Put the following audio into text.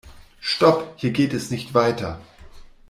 Stop! Hier geht es nicht weiter.